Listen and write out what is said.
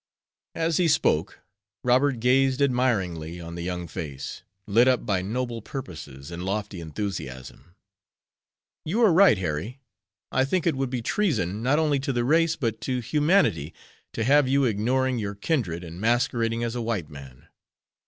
As he spoke Robert gazed admiringly on the young face, lit up by noble purposes and lofty enthusiasm. "You are right, Harry. I think it would be treason, not only to the race, but to humanity, to have you ignoring your kindred and masquerading as a white man."